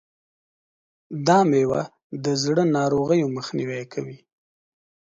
دا مېوه د زړه ناروغیو مخنیوی کوي.